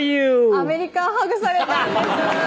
アメリカンハグされたんです